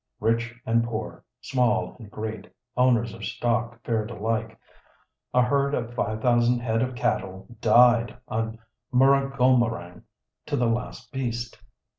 Rich and poor, small and great, owners of stock fared alike. A herd of five thousand head of cattle died on Murragulmerang to the last beast.